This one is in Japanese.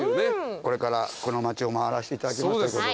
これからこの街を回らせていただきますという。